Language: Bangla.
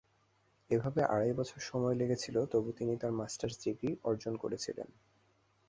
এভাবে আড়াই বছর সময় লেগেছিল, তবু তিনি তাঁর মাস্টার্স ডিগ্রি অর্জন করেছিলেন।